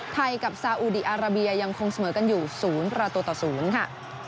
ไทยกับซาอุดีอาราเบียยังคงเสมอกันอยู่๐ประตูต่อ๐ค่ะ